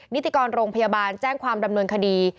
นิติกรโรงพยาบาลแจ้งความดำเนินคดี